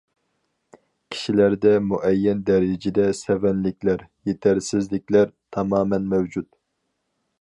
كىشىلەردە مۇئەييەن دەرىجىدە سەۋەنلىكلەر، يېتەرسىزلىكلەر تامامەن مەۋجۇت.